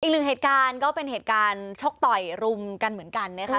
อีกหนึ่งเหตุการณ์ก็เป็นเหตุการณ์ชกต่อยรุมกันเหมือนกันนะคะ